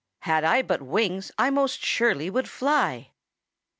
Had I but wings I most surely would fly!"